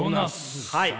はい。